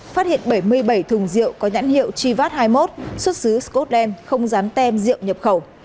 phát hiện bảy mươi bảy thùng rượu có nhãn hiệu chivat hai mươi một xuất xứ scotland không dán tem rượu nhập khẩu